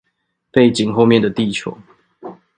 背景後面的地球